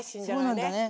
そうなんだね。